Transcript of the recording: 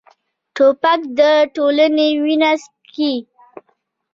توپک د ټولنې وینه څښي.